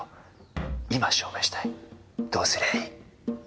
どうすりゃいい？